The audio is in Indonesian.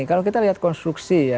kalau kita lihat konstruksi ya